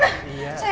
gak ada apa apa